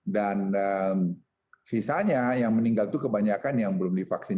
dan sisanya yang meninggal itu kebanyakan yang belum divaksin